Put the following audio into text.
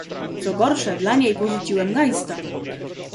"Co gorsze, dla niej porzuciłem Geista..."